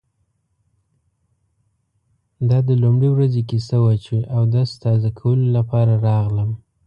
دا د لومړۍ ورځې کیسه وه چې اودس تازه کولو لپاره راغلم.